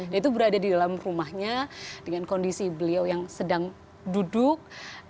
dan itu berada di dalam rumahnya dengan kondisi beliau yang sedang duduk